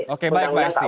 oke baik mas isti